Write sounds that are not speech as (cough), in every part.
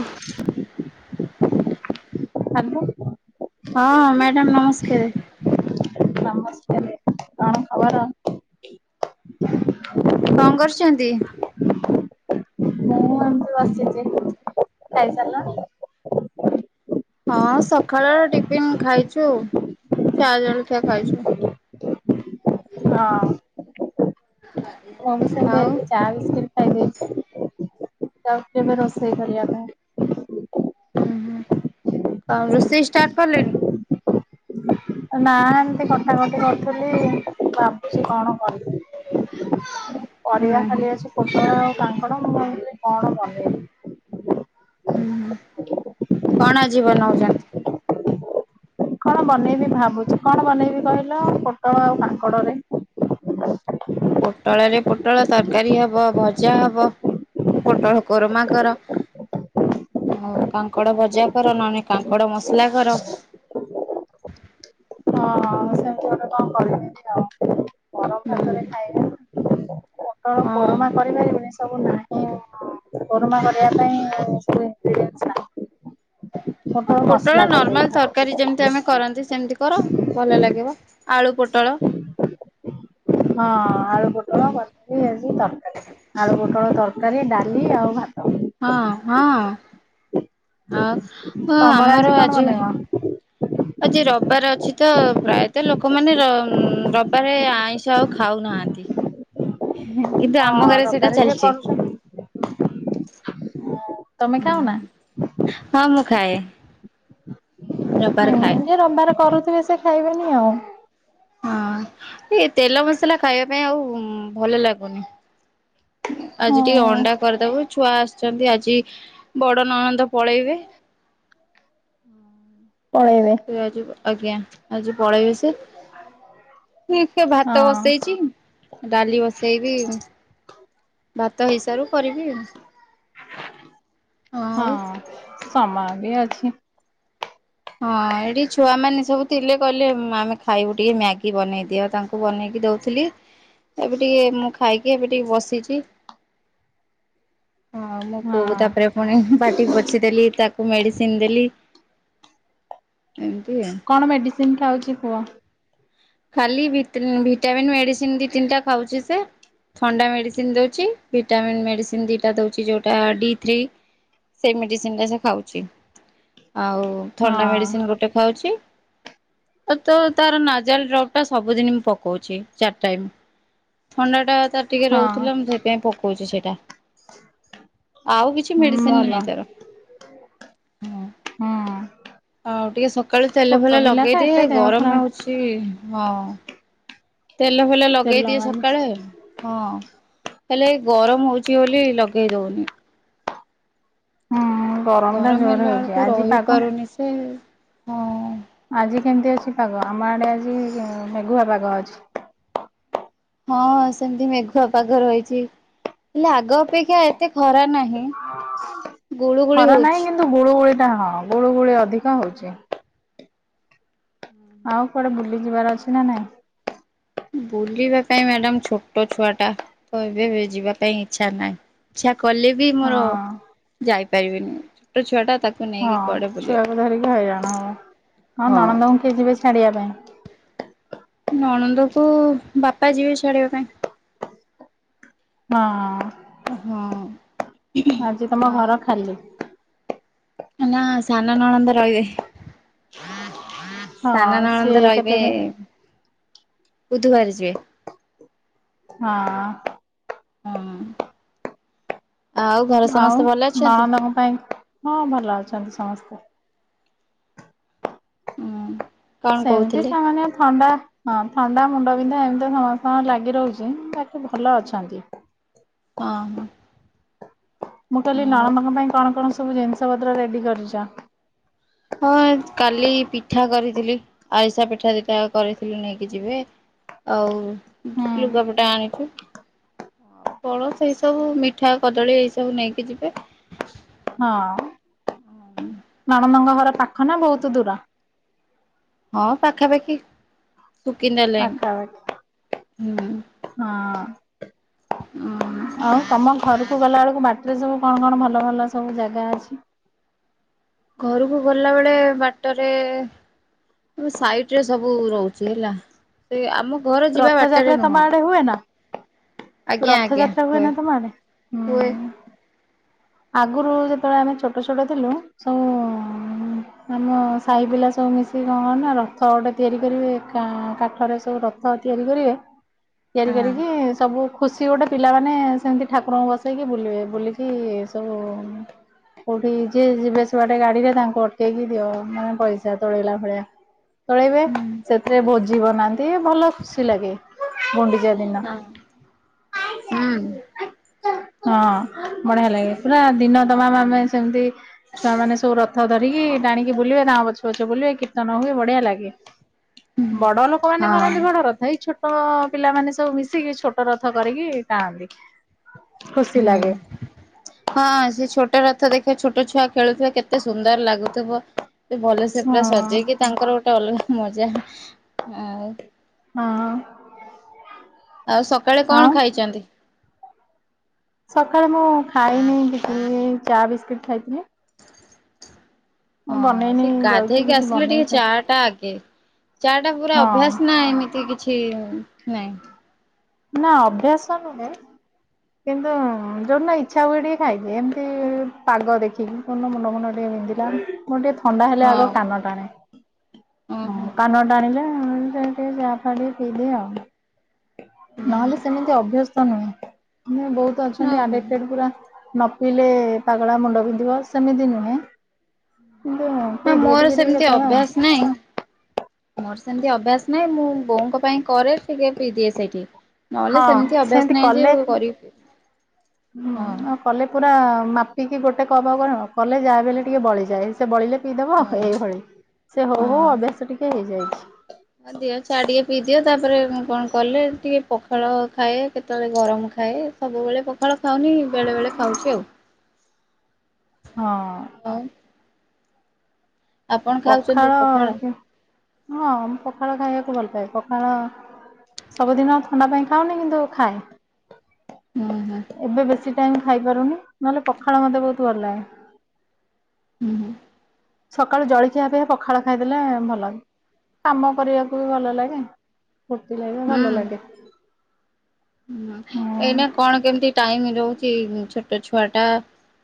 ଓଃ। Hello. ହଁ madam ନମସ୍କାରେ। ନମସ୍କାରେ କଣ ଖବର? କଣ କରୁଛନ୍ତି? ମୁଁ ଏମତି ବସ ସିଚି ଖାଇସାରିଲଣି? ହଁ ସଖାଳର ଟିଫିନ୍ ଖାଇଛୁ ଚା ଜଳଖିଆ ଖାଇଛୁ। (inaudible) ମମି ଆଉ ସାଙ୍ଗେରେ ଚା ବିସ୍କୁଟ ଖାଇଦେଇଛି, ଯାଉଛି ଏବେ ରୋଷେଇ କରିବା ପାଇଁ। ହୁଁ ହୁଁ। ଅ ରୋଷେଇ ଷ୍ଟାର୍ଟ କଲେଣି? ନା ଏମତି କଟାକଟି କରୁଥିଲି, ଭାବଚି କଣ କରିବି? ହୁଁ ପରିବା ହୁଁ। ଖାଲି ଅଛି, ପୋଟଳ ଆଉ କାଙ୍କଡ଼ ମୁଁ କହୁଥିଲି କଣ ବନେଇବି? ହୁଁ, କଣ ଆଜି ବନଉଛନ୍ତି? କଣ ବନେଇବି ଭାବୁଛି? କଣ ବନେଇବି କହିଲ ପୋଟଳ ଆଉ କାଙ୍କଡରେ। ପୋଟଳରେ ପୋଟଳ ତରକାରୀ ହବ, ଭଜା ହବ। ପୋଟଳ କୋରମା କର। ହଉ କାଙ୍କଡ ଭଜା କର, ନହେଲେ କାଙ୍କଡ ମସଲା କର। ହଁ ହଁ ମୁ ସେମିତି ଗୋଟେ କଣ କରିବି ଆଉ ଗରମ ହୁଁ। କଣ ହଁ। କୋରମା କରିପାରିବେନି? ସବୁ ନାହିଁ ହଁ କୋରମା କରିବା ପାଇଁ ଏଙ୍ଗ୍ରିଦେଣ୍ଟସ ନାଇଁ। (inaudible) ପୋଟଳ ନର୍ମାଲ ତରକାରୀ ଯେମିତି ଆମେ କରନ୍ତି ସେମିତି କର ଭଲ ଲାଗିବ ଆଳୁ ପୋଟଳ। ହଁ ଆଳୁ ପୋଟଳ ହୁଁ। କରିବି, ଆଜି ତରକାରୀ ଆଳୁପୋଟଳ ତରକାରୀ ଡାଲି ଆଉ ଭାତ। ହଁ ହଁ ଆଉ ତମର ଆମର କଣ ଆଜି। ବନେଇବ? ଆଜି ରବାର ଅଛି ତ ପ୍ରାୟତଃ ଲୋକମାନେ ରବାରେ ଆଇଁଷ ଆଉ ଖାଉ ନାହାନ୍ତି। କିନ୍ତୁ ଆମ ହଁ ଘରେ ସେଇଟା ରବିବାରେ ଯିଏ ଚାଲଛି। କରୁଛନ୍ତି ତମେ ଖାଉନା? ହଁ ମୁଁ ଖାଏ, ରବାର ଖାଏ। ଯ ରବାର କରୁଥିବେ ସେ ଖାଇବେନି ଆଉ ହଁ ଏଇ ତେଲ ମସଲା ଖାଇବା ପାଇଁ ଆଉ ଭଲ ଲାଗୁନି ହଁ ଆଜି ଟିକେ ଅଣ୍ଡା କରିଦବୁ ଛୁଆ ଆସିଛନ୍ତି ଆଜି ବଡ ନଅଣନ୍ଦ ପଳେଇବେ ପଳେଇଦ ତ ଆଜି ଆଜ୍ଞା ଆଜି ପଳେଇବେ ସେ ସେ ଭାତ ହଁ ବସେଇଛି ଡାଲି ବସେଇବି ଭାତ ହଇସାରୁ କରିବି ହଁ ଆଉ ସମ ଆଗ ଆଜି ହଁ ଏଠି ଛୁଆମାନୋନେ ସବୁ ଥିଲେ କହିଲେ ଆମେ ଖାଇବୁ ଟିକେ ମ୍ୟାଗି ବନେଇଦିଅ ତାଙ୍କୁ ୁ ବନେଇକି ଦଉଥିଲି ଏବେ ଟିକେ ମୁଁ ଖାଇକି ଏବେ ଟିକେ ବସିଛି ହଁ ମୁଁ କୋଉକୁ ତାପରେ ପୁଣି ପାଟି ପୋଛିଦେଲି ତାକୁ ମେଡ଼ିସିନ ଦେଲି ଏମିତି ଆ (inaudible) ଖାଲି ଭିଟାମିିନ ମେଡିସିନ ଦି ତିନିଟା ଖାଉଛି ଥଣ୍ଡା ମେଡ଼ିସିନ ଦେଉଛି ଭିଟାମିନ୍ ମେଡ଼ିସିନ ଦୁଇଟା ଦେଉଛି ଯେଉଁଟା ଡି ଥ୍ରୀ ସେଇ ମେଡିସିନଟା ସେ ଖାଉଛି, ଆଉ ଥଣ୍ଡା ହଁ ମେଡିସିନ ଗୋଟେ ଖାଉଛି, ଆଉ ତ ତାର ନା ନାସାଲଡ୍ରପଟା ସବୁଦିନ ମୁଁ ପକଉଛି, ଚାରି ଟାଇମ ଥଣ୍ଡାଟା ତାର ଟିକେ ହଁ ରହୁଥିଲା, ସେଥି ପକଉଛି ସେଟା ଆଉ କିଛି ମେଡିସିନ ଭଲ ନାହିଁ ତାର ହୁଁ ହଉ ଟିକେ ସକାଳୁ ତେଲ ଭଲ ଛୋଟ ପିଲା ତ ଲଗେଇଦିଏ ଏତେ ଦେହ ଗରମ ଖରାପ ହଉଛି ହଁ ତେଲ ଫେଲ ତେଲ ଲଗେଇଦିଏ ମାଲିସ ସକାଳେ ଆଉ ହଁ ହେଲେ ଏ ଗରମ ହଉଛି ବୋଲି ଲଗେଇ ଦଉନି ହୁଁ ଟା ଗରମ ଜୋର ହେଲା ହଉଛି ବେଳକୁ ଆଜି ରହି ପାଗ ପାରୁନି ସେ ହଁ। ଆଜି କେମତି ଅଛି ପାଗ ଆମ ଆଡେ ଆଜି ମେଗୁଆ ପାଗ ଅଛି ହଁ ସେମିତି ମେଘୁଆ ପାଗ ରହିଛି ହେଲେ ଆଗ ଅପେକ୍ଷା ଏତେ ଖରା ନାହିଁ ଗୁଳୁ ଗୁଳି ଖରା ହଉଛି। ନାହିଁ କିନ୍ତୁ ଗୁଳୁ ଗୁଳି ଟା ହଁ ଗୁଳୁ ଗୁଳି ଅଧିକ ହଉଛି ଆଉ କୁଆଡେ ବୁଲି ଯିବାର ଅଛି ନା ନାଇଁ ବୁଲିବା ପାଇଁ ମ୍ୟାଡାମ ଛୋଟ ଛୁଆ ଟା ତ ଏବେ ଯିବା ପାଇଁ ଇଚ୍ଛା ନାହିଁ ଇ୍ଛା କଲେ ବି ମୋର ହଁ ଯାଇପାରିବିନି ଛୋଟ ଛୁଆ ଟା ତାକୁ ନେଇକି ହଁ କୁଆଡେ ବୁଲିବାକୁ ଛୁଆକୁ ଧରିକି ହଇରାଣ ହବ ହଁ ନଣନ୍ଦଙ୍କୁ କେଏ ଯିବେ ଛାଡିବା ପାଇଁ ନଣନ୍ଦ କ ବାପା ଯିବେ ଛାଡିବା ପାଇଁ (unintelligible) ହଁ। ଆଜି ତମ ଆଉ ଘର ଖାଲି। ନା ସାନ ନଣନ୍ଦ ରହିବେ। ସାନ ହଁ ସିଏ ନଣନ୍ଦ କେତେ ରହିବେ ଦିନ ବୁଧବାରେ ଯିବେ। ହଁ। ହୁଁ ଆଉ ଘରେ ସମସ୍ତେ ଭଲ ଅଛନ୍ତି? (unintelligible) ପାଇଁ ହଁ ଭଲ ଅଛନ୍ତି ସମସ୍ତେ। ହୁଁ କଣ ସେମିତି କହୁଥିଲେ ସାମାନ୍ୟ ଥଣ୍ଡା। ହଁ ଥଣ୍ଡା ମୁଣ୍ଡବିନ୍ଧା ଏମିତି ସମସ୍ତଙ୍କ ଲାଗି ରହୁଛି (unintelligible) ଭଲ ଅଛନ୍ତି। ହଁ ହଁ। ମୁଁ କହିଲି ଆଉ ନଣନ୍ଦଙ୍କ ପାଇଁ କଣ କଣ ସବୁ ଜିନିଷ ପତ୍ର ରେଡ଼ି କରିଛ। ହଁ କାଲି ପିଠା କରିଥିଲି ଆରିସା ପିଠା ଦିଟା କରିଥିଲୁ ନେଇକି ଯିବେ। ଆଉ ହୁଁ ଲୁଗାପଟା ଆଣିଚୁ। ଫଳ ସେଇ ସବୁ ମିଠା କଦଳୀ ଏଇ ସବୁ ନେଇକି ଯିବେ। ହଁ ନଣନ୍ଦଙ୍କ ଘର ପାଖ ନା ବହୁତ୍ ଦୂର? ହଁ ପାଖାପାଖି। ସୁକିନ୍ଦା ଲାଇନ୍ ହୁଁ। ପାଖାପାଖି ହଁ। ଆଉ ତମ ଘର କୁ ଗଲାବେଳକୁ ବାଟରେ ସବୁ କଣ କଣ ଭଲ ଭଲ ସବୁ ଜାଗା ଅଛି? ଘରକୁ ଗଲାବେଳେ ବାଟରେ ଆମ ସାଇଟ୍ ରେ ସବୁ ରହୁଛି ହେଲା ସେ ଆମ ଘର ଯିବା ରଥଯାତ୍ରା ବାଟରେ ତମ ନୁହଁ। ଆଡେ ହୁଏ ନା ଆଜ୍ଞା ଆଜ୍ଞା ରଥଯାତ୍ରା ହୁଏ ନା ତମ ଆଡେ? ହୁଏ। ହୁଁ ଆଗରୁ ଯେତେବେଳେ ଆମେ ଛୋଟ ଛୋଟ ଥିଲୁ ସବୁ ଆମ ସାହି ପିଲା ସବୁ ମିଶିକି କଣ କରନ୍ତି ନା ରଥ ଗୋଟେ ତିଆରି କରିବେ କା କାଠରେ ସବୁ ର ରଥ ତିଆରି କରିବେ। ତିଆରି ହଁ କରିକି ସବୁ ଖୁସି ଗୋଟେ ପିଲାମାନେ ସେମିତି ଠାକୁରଙ୍କୁ ବସେଇକି ବୁଲିବେ ବୁଲିକି (unintelligible) କୋଉଠି ଯିଏ ଯିବେ ଆସିବେ ଗାଡ଼ିରେ ତାଙ୍କୁ ଅଟକେଇକି ଦିଅ ମାନେ ପଇସା ତୋଳେଇଲା ଭଳିଆ। ତୋଲେଇବେ ହୁଁ ସେଥିରେ ଭୋଜି ବନା (unintelligible) ଭଲ ଖୁସି ଲାଗେ ଗୁଣ୍ଡିଚା ଦିନ। ହଁ ହଁ ହୁଁ ବଢ଼ିଆ ଲାଗେ ପୁରା ଦିନ ତମାମ ଆମେ ସେମିତି ଛୁଆମାନେ ସବୁ ରଥ ଧରିକି ଟାଣିକି ବୁଲିବେ ତାଙ୍କ ପଛେ ପଛେ ବୁଲିବେ କୀର୍ତ୍ତନ ହୁଏ ବଢ଼ିଆ ଲାଗେ। ବଡ଼ ଲୋକମାନେ ହଁ କରନ୍ତି ବଡ଼ ରଥ ଏଇ ଛୋ ଛୋଟ ପିଲାମାନେ ସବୁ ମିଶିକି ଛୋଟ ରଥ କରିକି ଟାଣନ୍ତି ଖୁସି ହୁଁ। ଲାଗେ। ହଁ ସେ ଛୋଟ ରଥ ଦେଖିବା ଛୋଟ ଛୁଆ ଖେଳୁଥିବେ କେତେ ସୁନ୍ଦର ଲାଗୁଥିବ। ସେ ଭଲସେ ପୁରା ହଁ ସଜେଇକି ତାଙ୍କର ଗୋଟେ ଅଲଗା ମଜା ଆଉ। ହଁ। ଆଉ ସକାଳେ ଆଉ କଣ ଖାଇଛନ୍ତି? ସକାଳେ ମୁଁ ଖାଇନି ଚା ବିସ୍କୁିଟ୍ ଖାଇଥିଲି। ମୁଁ ହଁ ବନେଇନି ସେ ଯାଉଛି ଗାଧେଇକି କିଛି ଆସିଲେ ବନେଇ ଟିକେ ହଁ ଚା ଟା ଆଗେ। ଚା ଟା ପୁରା ଅଭ୍ୟାସ ନା ଏମିତି କିଛି ନାଇଁ। ନାଁ ଅଭ୍ୟାସ ନୁହେଁ। କିନ୍ତୁ ଯୋଉଦିନ ଇଚ୍ଛା ହୁଏ ଟିକେ ଖାଇଦିଏ ଏମିତି ପାଗ ଦେଖିକି। କୋଉଦିନ ମୁଣ୍ଡ ମୁଣ୍ଡ ଟିକେ ବିନ୍ଧିଲା ମୋର ଟିକେ ଥଣ୍ଡା ହେଲେ ଆଗ ହଁ କାନ ଟାଣେ। ଓହୋ ହୁଁ କାନ ଟାଣିଲେ ଟିକେ ଚା ଫା ଟିକେ ପିଇଦିଏ ଆଉ। ହୁଁ ନହେଲେ ସେମିତି ଅଭ୍ୟସ୍ତ ନୁହେଁ ବହୁତ୍ ଅଛନ୍ତି ଆଡେକ୍ଟେଡ ପୁରା। ନ ପିଇଲେ ପାଗଳା ମୁଣ୍ଡ ବିିନ୍ଧିବ ସେମିତି ନୁହେଁ। ପି ଦିଏ ଟିକେ ଟିକେ କେତେବେଳେ ଆଉ। ନାଇଁ। ମୋର ସେମିତି ଅଭ୍ୟାସ ନାହିଁ ମୁଁ ବୋଉଙ୍କ ପାଇଁ କରେ ଟିକେ ଦିଏ ସେଇଠି। ନହେଲେ ସେମିତି ହଁ ଅଭ୍ୟାସ ନାହିଁ ଯେ କଲେ କରିବ। ହୁଁ ହଁ। ଆଉ କଲେ ପୁରା ମାପିକି ଗୋଟେ କବା କର କଲେ ଯାହା ବଲେ ଟିକେ ବଳିଯାଏ। ସେ ବଳିଲେ ପିଇଦବ ହଁ। ଏଇଭଳି ସେ ହଉ ହଉ ଅଭ୍ୟାସ ଟିକେ ହେଇଯାଇଛି। ହ ଦିଅ ଛୁଆ ଟିକେ ପିଇଦିଅ ତାପରେ କଣ କଲେ ଟିକେ ପଖାଳ ଖାଏ କେତେବେଳେ ଗରମ ଖାଏ। ସବୁବେଳେ ପଖାଳ ଖାଉନି। ବେଳେବେଳେ ଖାଉଛି ଆଉ। ହଁ। ହଁ। ପଖାଳ ହଁ ପଖାଳ ଖାଇବାକୁ ଭଲ ପାଏ। ପଖାଳ ସବୁଦିନ ଥଣ୍ଡା ପାଇଁ ଖାଉନି କିନ୍ତୁ ହୁଁ ହୁଁ ଖାଏ। ଏବେ ବେଶୀ ଟାଇମ ଖାଇପାରୁନି। ନହେଲେ ପଖାଳ ମତେ ବହୁତ ଭଲ ଲାଗେ। ହୁଁ ହୁଁ। ସକାଳୁ ଜଳଖିଆ ପାଇଁ ପଖାଳ ଖାଇଦେଲେ ଭଲ। କାମ କରିବାକୁ ବି ଭଲ ଲାଗେ। ଫୁର୍ତ୍ତି ଲାଗଲେ ହୁଁ ଭଲ ହୁଁ। ଲାଗେ। ହୁଁ ଏଇନା କଣ କେମିତି ଟାଇମ ରହୁଛି ଛୋଟ ଛୁଆ ଟା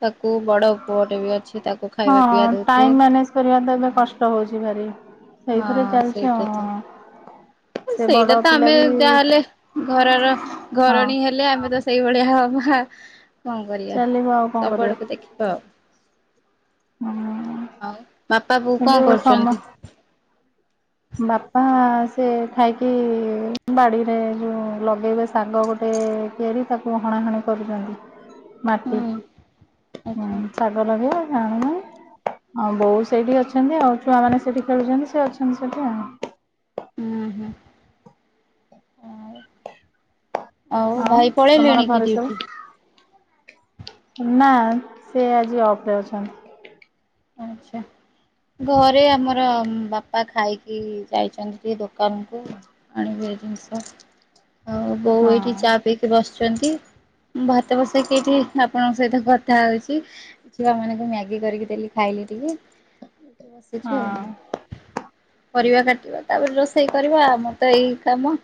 ତାକୁ ବଡ ଉପଟ ବି ଅଛି ତାକୁ ଖାଇବା ହଁ ପିଇବା ଦଉଥିବେ। ଟାଇମ ମ୍ୟାନେଜ କରିବା ତ ଏବେ କଷ୍ଟ ହଉଛି ଭାରି। ହଁ ସେଇଥିରେ ଚାଲିଛି ସେଇଟା ତ। ହଁ। ସେଇଟା ତ ଆମେ ଯାହାହେଲେ ଘରର ହଁ ଘରଣୀ ହେଲେ ଆମେ ତ ସେଇଭଳିଆ ହ ବା କଣ କରିବା ଚାଲିବ ଆଉ କଣ ସବୁ କରିବା ଆଡକୁ ଦେଖି ହଉ ହୁଁ ଆଉ ବାପା ବଉ କିନ୍ତୁ କଣ ସମ କରୁଛନ୍ତି? ବାପା ସେ ଖାଇକି ବାଡ଼ିରେ ଯଉ ଲଗେଇବେ ସାଗ ଗୋଟେ ଡେଲି ତାକୁ ହଣାହଣି କରୁଛନ୍ତି ମାଟି ହୁଁ ଆଚ୍ଛା ଶାଗ ଲଗେଇବା ଜାଣୁନା ଆଉ ବୋଉ ସେଇଠି ଅଛନ୍ତି। ଆଉ ଛୁଆମାନୋନେ ସେଇଠି ଖେଳୁଛନ୍ତି ସେ ଅଛନ୍ତି। ଆଜ୍ଞା। ହୁଁ ହୁଁ। ଆଉ ଭାଇ ତମର ପଳେଇଲେଣି କି ଘରେ ସବୁ ଡିଉଟି? ନା ସେ ଆଜି ଅପ୍ରେସନ୍ ଘରେ ଆମର ବାପା ଖାଇକି ଯାଇଛନ୍ତି। ଦୋକାନକୁ ଆଣିବି ଜିନିଷ ଆଉ ବୋଉ ହଁ। ଏଇଠି ବସିଛନ୍ତି। ଭାତ ବସେଇକି ଏଇଠି ଆପଣଙ୍କ ସହିତ କଥା ହଉଛି। ଛୁଆ ମାନଙ୍କୁ ମ୍ୟାଗି କରିକି ଦେଲି ଖାଇଲି ଟିକେ ବସିଛୁ ହଁ ଆଉ। ପରିବା କାଟିବା ତାପରେ ରୋଷେଇ କରିବା ଆମର ତ ଏଇ କାମ।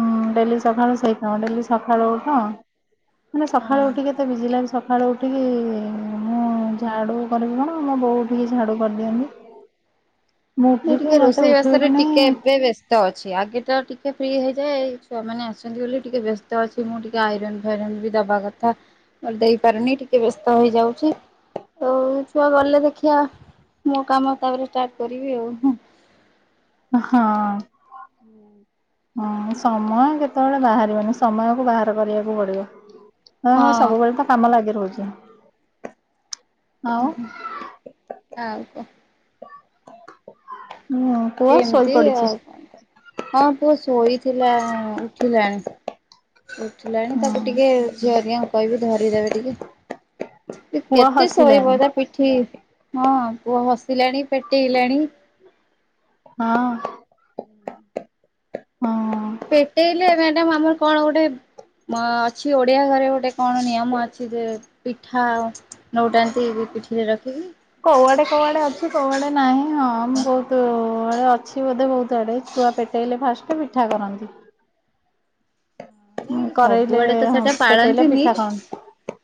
ହୁଁ ଡେଲି ସକାଳୁ ସେଇ କାମ ଡେଲି ସକାଳୁ ଉଠ ମାନେ ସକାଳୁ ହଁ। ଉଠିଲା ମତେ ବିଜିଲାରେ ସକାଳୁ ଉଠିକି ମୁଁ ଝାଡ଼ୁ କରିବି କଣ ମୋ ବୋଉଠିକି ଝାଡ଼ୁ କରିଦିଅନ୍ତି। ମୁଁ ନା ଉଠିକି ଟିକେ ମତେ ଉଠିବି ରୋଷେଇବାସରେ କି ନାଇଁ ଟିକେ ଏବେ ବ୍ୟସ୍ତ ବ୍ୟସ୍ତ ଅଛି ଆଗେ ତ ଟିକେ ଫ୍ରି ହେଇଯାଏ ଛୁଆମାନେ ଆସିଛନ୍ତି ବୋଲି ଟିକେ ବ୍ୟସ୍ତ ଅଛି ମୁଁ ଟିକେ ତ ଆଇରନ୍ ଫାଇରନ୍ ବି ଦବା କଥା ଦେଇପରୁନି। ଟିକେ ବ୍ୟସ୍ତ ହେଇଯାଉଛି। ତ ଛୁଆ ଗଲେ ଦେଖିବା ମୋ କାମ ତାପରେ ଷ୍ଟାର୍ଟ (inaudible) ବଉ ହଁ। ହଁ ସମୟ କେତେବେଳେ ବାହାରିବନି ସମୟକୁ ବାହାର କରିବାକୁ ପଡିବ। ହଁ ହଁ ସବୁବେଳେ ତ କାମ ଲାଗି ରହୁଛି। ଆଉ ଆଉ ପୁଅ ଏମିତି ଶୋଇପଡ଼ିଛି। ଆଉ କଣ? ହଁ ପୁଅ ଶୋଇଥିଲା ଉଠିଲାଣି ଉଠିଲାଣି ତାକୁ ହୁଁ ଟିକେ ଝିଅ ହେରିକା ଙ୍କୁ କହିବି ଧରିଦେବେ ଟିକେ ପୁଅ କେତେ ଶୋଇବ ହସିଲାଣି ତା ପିଠି ହଁ ପୁଅ ହସିଲାଣି ପେଟେଇଲାଣି। ହଁ। ହଁ। ପେଟେଇଲେ ମ୍ୟାଡାମ ଆମର କଣ ଗୋଟେ ଅଛି ଓଡ଼ିଆ ଘରେ ଗୋଟେ କଣ ନିୟମ ଅଛି ଯେ ପିଠା ନଉଟାନ୍ତି ପିଠିରେ ରଖିକି। କଉଆଡେ କଉଆଡେ ଅଛି କଉଆଡେ ନାହିଁ। ହଁ ବହୁତ ଆଡେ ଅଛି ବୋଧେ ବହୁତ ଆଡେ ଛୁଆ ପେଟେଇଲେ ଫାଷ୍ଟ ପିଠା କରନ୍ତି। ନାଇଁ କରେଇଲେ ସବୁଆଡେ ତ ସେଟା ପେଟେଇଲେ ପାଳନ୍ତିନି ପିଠା କରନ୍ତି।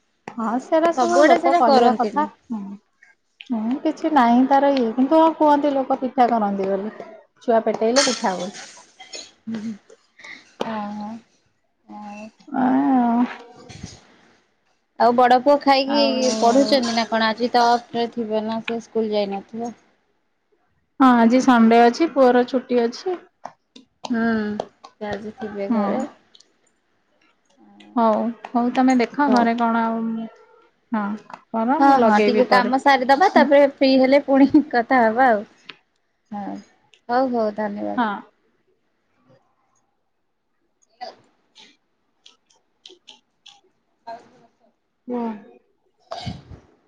ହଁ ସେରା ସବୁ ସବୁଆଡେ ଲୋକ ସେଟା କହିବା କଥା। କରନ୍ତିନି। ହୁଁ କିଛି ନାହିଁ ତାର ଇଏ। କିନ୍ତୁ କୁହନ୍ତି ଲୋକ ପିଠା କରନ୍ତି ବୋଲି। ଛୁଆ ପେଟେଇଲେ ପିଠା ହୁଏ। ହଁ। ହଁ (unintelligible) ଆଉ ବଡ ପୁଅ ଖାଇକି ଆଉ ପଢୁଛନ୍ତି ନା କଣ? ଆଜି ତ ଅପ୍ ରେ ଥିବେ ନା ସେ ସ୍କୁଲ ଯାଇନଥିବେ। ହଁ ଆଜି ସଣ୍ଡେ ଅଛି। ପୁଅ ର ଛୁଟି ଅଛି। ହଁ ସେ ଆଜି ଥିବେ ଘରେ। ହଁ। ହଉ, ହଉ ତମେ ଦେଖ ହଉ ଘରେ କଣ ଆଉ ହଁ। କର ହଁ ମୁଁ ହଁ ଟିକେ ଲଗେଇବି ପରେ। କାମ ସାରିଦବା ତାପରେ ଫ୍ରି ହେଲେ ପୁଣି କଥାହବା ଆଉ। ହଁ ହଉ ତାହାଲେ। ହଁ। (unintelligible) (inaudible) (unintelligible) ନାଁ। (inaudible)